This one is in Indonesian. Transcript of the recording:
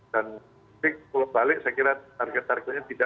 dan ketika pulau balik saya kira target tariknya tidak ada